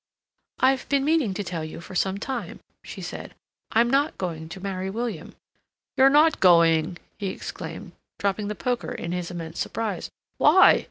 "I've been meaning to tell you for some time," she said, "I'm not going to marry William." "You're not going—!" he exclaimed, dropping the poker in his immense surprise. "Why?